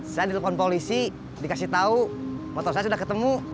saya dilpon polisi dikasih tau motor saya sudah ketemu